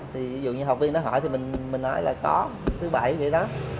ví dụ như học viên đó hỏi thì mình nói là có thứ bảy vậy đó